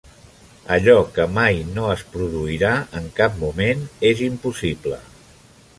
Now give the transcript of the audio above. Allò que mai no es produirà en cap moment és impossible.